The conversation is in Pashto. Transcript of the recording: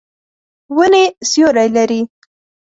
ونې سیوری لري.